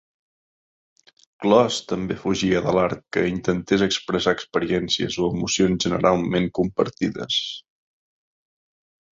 Kloos també fugia de l'art que intentés expressar experiències o emocions generalment compartides.